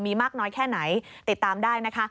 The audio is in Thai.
มีมากน้อยแค่ไหนติดตามได้นะคะ